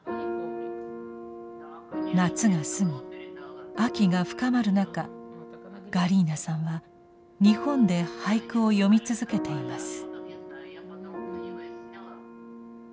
夏が過ぎ秋が深まる中ガリーナさんは日本で俳句を詠み続けています。